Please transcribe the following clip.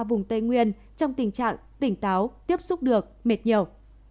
vùng tây nguyên trong tình trạng tỉnh táo tiếp xúc được mệt nhiều